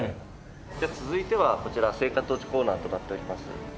じゃあ続いてはこちら聖火トーチコーナーとなっております。